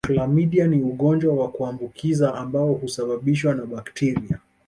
Klamidia ni ugonjwa wa kuambukiza ambao husababishwa na bakteria